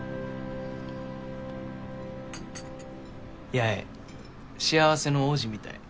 八重幸せの王子みたい。